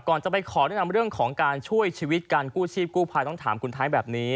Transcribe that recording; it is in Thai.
จะไปขอแนะนำเรื่องของการช่วยชีวิตการกู้ชีพกู้ภัยต้องถามคุณไทยแบบนี้